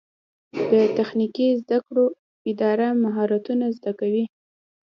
د تخنیکي زده کړو اداره مهارتونه زده کوي